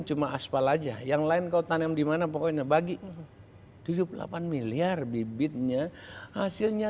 cuma aspal aja yang lain kau tanam dimana pokoknya bagi tujuh puluh delapan miliar bibitnya hasilnya